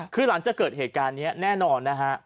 คือหลังจากเกิดเหตุการณ์นี้แน่นอนนะฮะ